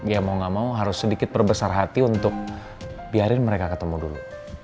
ya mau gak mau harus sedikit berbesar hati untuk biarin mereka ketemu dulu